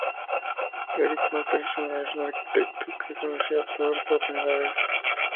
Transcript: Eric Masterson es un arquitecto que conoció a Thor por primera vez.